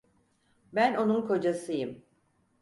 Ben onun kocasıyım.